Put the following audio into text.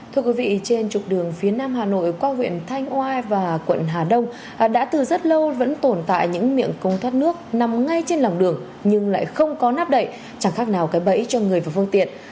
thưa quý vị trên trục đường phía nam hà nội qua huyện thanh oai và quận hà đông đã từ rất lâu vẫn tồn tại những miệng cống thoát nước nằm ngay trên lòng đường nhưng lại không có nắp đậy chẳng khác nào cái bẫy cho người và phương tiện